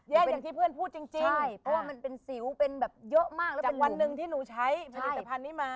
แย่อย่างที่เพื่อนพูดจริงค่ะจากวันหนึ่งที่หนูใช้ผลิตภัณฑ์นี้มา